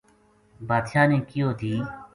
بادشاہ نے کہیو دھی